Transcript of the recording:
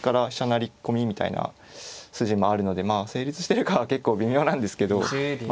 成り込みみたいな筋もあるのでまあ成立してるかは結構微妙なんですけどま